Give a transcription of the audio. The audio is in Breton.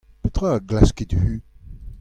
Petra a glaskit-hu ?